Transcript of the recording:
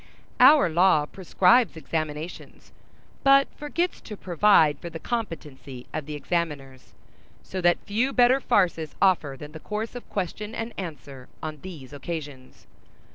Our law prescribes examinations, but forgets to provide for the competency of the examiners; so that few better farces offer than the course of question and answer on these occasions.